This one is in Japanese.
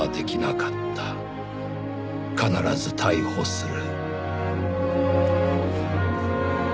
「必ず逮捕する」